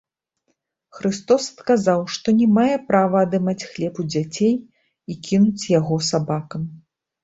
Хрыстос адказаў, што не мае права адымаць хлеб у дзяцей і кінуць яго сабакам.